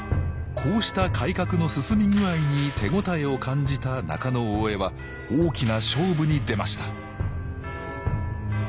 こうした改革の進み具合に手応えを感じた中大兄は大きな勝負に出ました